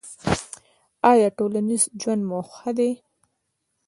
ایا ټولنیز ژوند مو ښه دی؟